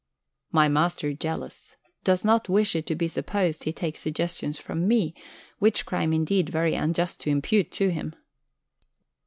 My master jealous. Does not wish it to be supposed he takes suggestions from me, which crime indeed very unjust to impute to him.